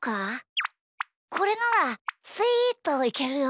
これならスイっといけるよ！